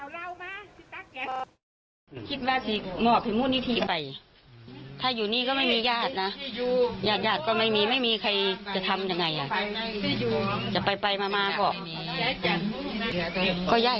สมัครว่าจะไปอยู่ใสถ้าเขาเปลี่ยนใจว่าจะไปอยู่กับตา